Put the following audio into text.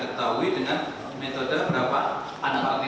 ada metode yang berbeda pertama has analysis